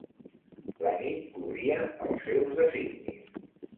La nit cobria els seus designis.